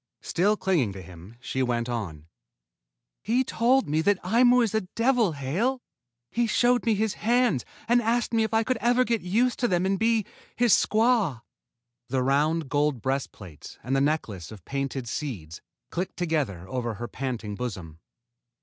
Still clinging to him, she went on. "He told me that Aimu is a devil, Hale. He showed me his hands and asked me if I could ever get used to them and be his squaw." The round gold breastplates and the necklace of painted seeds clinked together over her panting bosom.